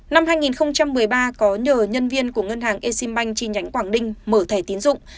năm hai nghìn một mươi ba có nhờ nhân viên của ngân hàng eximbank chi nhánh quảng đinh mở thẻ tiến dụng